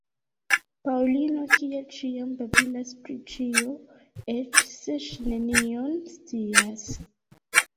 Paŭlino, kiel ĉiam, babilas pri ĉio, eĉ se ŝi nenion scias.